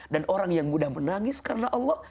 dan orang yang mudah menangis karena allah